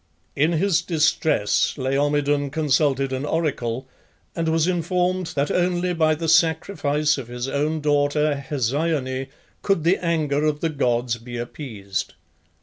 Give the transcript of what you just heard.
In his distress Laomedon consulted an oracle, and was informed that only by the sacrifice of his own daughter Hesione could the anger of the gods be appeased.